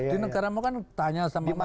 di negara mau kan tanya sama mahasiswa